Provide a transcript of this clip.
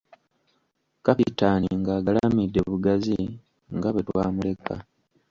Kapitaani ng'agalamidde bugazi nga bwe twamuleka.